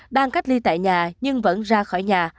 đang cách ly tại nhà nhưng vẫn ra khỏi nhà